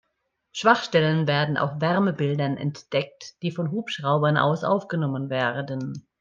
Schwachstellen werden auf Wärmebildern entdeckt, die von Hubschraubern aus aufgenommen werden.